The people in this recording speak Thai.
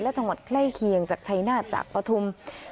และจังหวัดใกล้เคียงจากชายหน้าจาก่อทุ่ม